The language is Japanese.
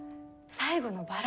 最後のバラ？